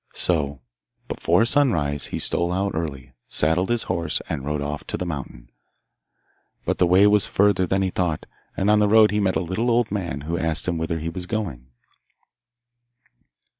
So before sunrise he stole out early, saddled his horse, and rode off to the mountain. But the way was further than he thought, and on the road he met a little old man who asked him whither he was going.